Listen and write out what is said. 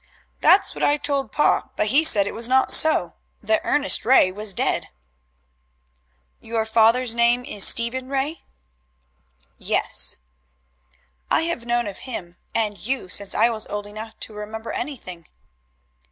"That's what I told pa, but he said it was not so that Ernest Ray was dead." "Your father's name is Stephen Ray?" "Yes." "I have known of him and you since I was old enough to remember anything."